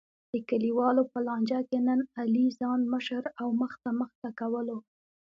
د کلیوالو په لانجه کې نن علی ځان مشر او مخته مخته کولو.